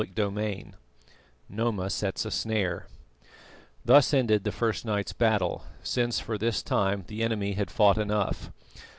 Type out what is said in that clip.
CHAPTER XX NOMA SETS A SNARE Thus ended the first night's battle, since for this time the enemy had fought enough.